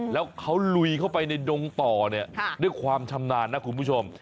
แล้วเขาลุยเข้าไปในดงต่อเนี่ยด้วยความชำนาญนะคุณผู้ชม